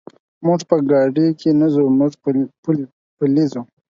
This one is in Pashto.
موږ په ګاډي کې نه ځو، موږ پلي ځو.